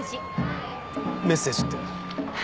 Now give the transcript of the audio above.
メッセージって？